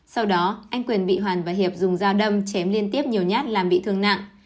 sau đó anh quyền bị hoàn và hiệp dùng dao đâm chém liên tiếp nhiều nhát làm bị thương nặng